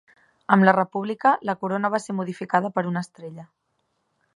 Amb la República, la corona va ser modificada per una estrella.